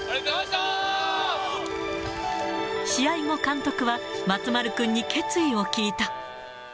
試合後、監督は松丸君に決意を聞いた。